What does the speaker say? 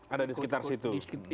ada di sekitar situ